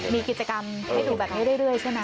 มีกิจกรรมให้ดูแบบนี้เรื่อยใช่ไหม